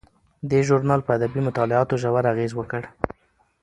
دې ژورنال په ادبي مطالعاتو ژور اغیز وکړ.